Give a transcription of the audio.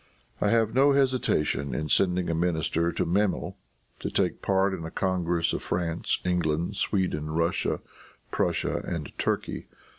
I have no hesitation in sending a minister to Memil to take part in a congress of France, England, Sweden, Russia, Prussia and Turkey.